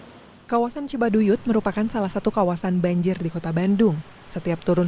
kawasan cibaduyut merupakan salah satu kawasan banjir di kota bandung setiap turun